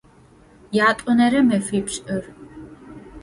Ятӏонэрэ мэфипшӏыр.